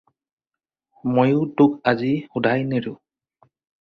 ময়ো তোক আজি শুদাই নেৰোঁ।